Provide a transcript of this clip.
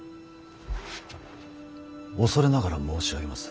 恐れながら申し上げます。